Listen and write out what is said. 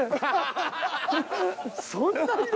そんな色。